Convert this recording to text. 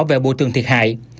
về bộ tường thiệt hại